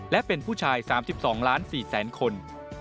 และเป็นผู้ชาย๓๒ล้าน๔แสนคน